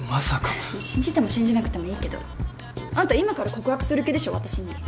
信じても信じなくてもいいけどあんた今から告白する気でしょ私に。